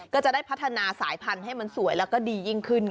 ก็จะได้พัฒนาสายพันธุ์ให้มันสวยแล้วก็ดียิ่งขึ้น